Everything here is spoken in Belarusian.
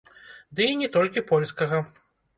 Ды і не толькі польскага.